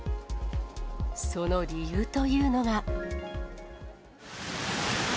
その理由というのが。